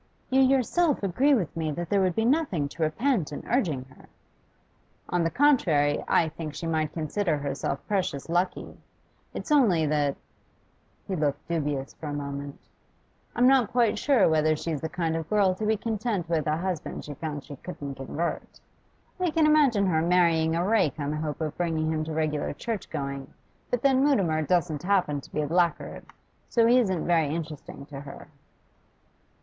'You yourself agree with me that there would be nothing to repent in urging her.' 'On the contrary, I think she might consider herself precious lucky. It's only that' he looked dubious for a moment 'I'm not quite sure whether she's the kind of girl to be content with a husband she found she couldn't convert. I can imagine her marrying a rake on the hope of bringing him to regular churchgoing, but then Mutimer doesn't happen to be a blackguard, so he isn't very interesting to her.